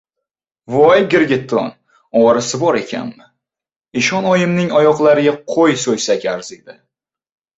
— Voy girgitton, ovorasi bor ekanmi? Eshon-oyimning oyoqlariga qo‘y so‘ysak arziydi.